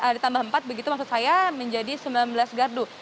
ditambah empat begitu maksud saya menjadi sembilan belas gardu